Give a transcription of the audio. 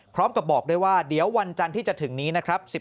พร้อมกับบอกด้วยว่าเดี๋ยววันจันทร์ที่จะถึงนี้นะครับ